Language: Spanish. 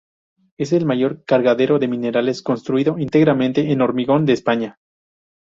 Es el mayor cargadero de minerales construido íntegramente en hormigón de España.